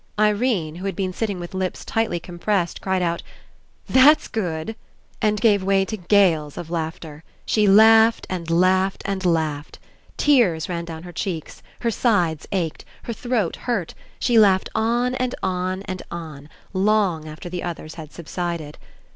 Irene, who had been sitting with lips tightly compressed, cried out: "That's good!" and gave way to gales of laughter. She laughed and laughed and laughed. Tears ran down her 67 PASSING cheeks. Her sides ached. Her throat hurt. She laughed on and on and on, long after the oth ers had subsided.